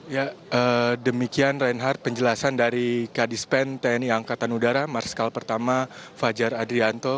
ya demikian reinhardt penjelasan dari kadis pen tni angkatan udara marskal pertama fajar adrianto